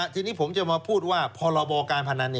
ทีนี้ผมจะมาพูดว่าพรบการพนัน